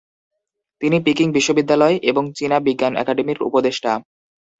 তিনি পিকিং বিশ্ববিদ্যালয় এবং চীনা বিজ্ঞান একাডেমির উপদেষ্টা।